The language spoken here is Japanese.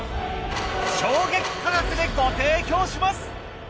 衝撃価格でご提供します！